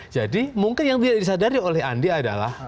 jadi mungkin yang tidak disadari oleh andi adalah